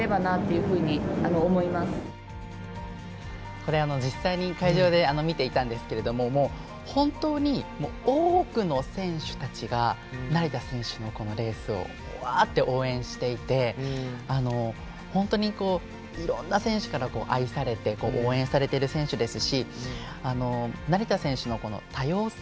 これは実際に会場で見ていたんですけどもう、本当に多くの選手たちが成田選手のこのレースを応援していて本当にいろんな選手から愛されて応援されている選手ですし成田選手の多様性。